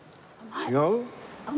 違う？